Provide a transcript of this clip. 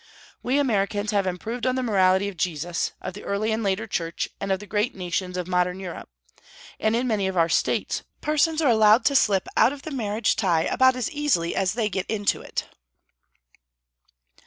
We Americans have improved on the morality of Jesus, of the early and later Church, and of the great nations of modern Europe; and in many of our States persons are allowed to slip out of the marriage tie about as easily as they get into it.